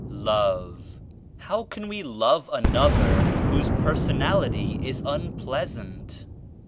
18 LOVE. "How can wc love another whose personality is unpleasant?''